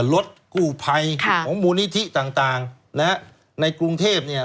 รถกู้ภัยของมูลนิธิต่างต่างนะฮะในกรุงเทพเนี่ย